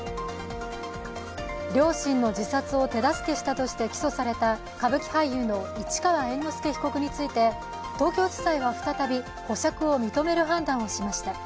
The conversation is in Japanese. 両親の自殺を手助けしたとして起訴された歌舞伎俳優の市川猿之助被告について東京地裁は再び、保釈を認める判断をしました。